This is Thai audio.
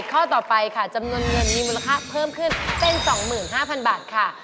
ข้อต่อไปค่ะจำนวนเงินมีมูลค่าเพิ่มขึ้นเป็น๒๕๐๐๐บาทค่ะ